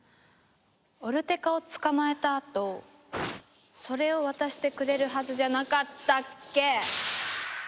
オルテカを捕まえたあとそれを渡してくれるはずじゃなかったっけ！？